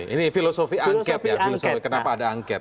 ini filosofi angket ya kenapa ada angket